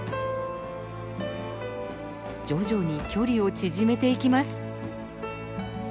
徐々に距離を縮めていきます。